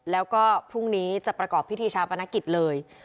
แล้วก็พรุ่งนี้จะประกอบพิธีชาปนกิจเลย